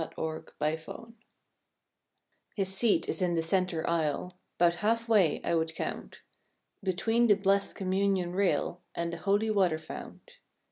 THE CHURCH END HOG His seat is in the center aisle, 'Bout half way I would count. Between the blest communion rail And the holy water fount.